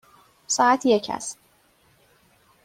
ساعت یک است.